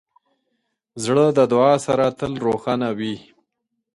زړه د دعا سره تل روښانه وي.